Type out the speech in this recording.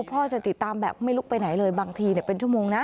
พ่อจะติดตามแบบไม่ลุกไปไหนเลยบางทีเป็นชั่วโมงนะ